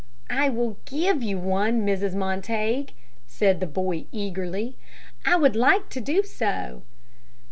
"I will give you one, Mrs. Montague," said the boy, eagerly. "I would like to do so."